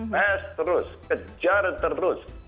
test terus kejar terus